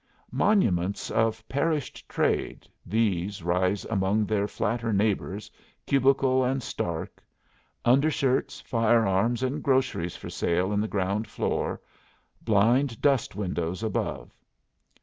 Monuments of perished trade, these rise among their flatter neighbors cubical and stark; under shirts, fire arms, and groceries for sale in the ground floor, blind dust windows above.